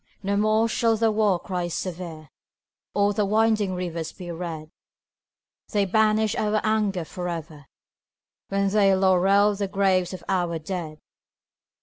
No more shall the war cry sever, Or the winding rivers be red; They banish our anger forever When they laurel the graves of our dead!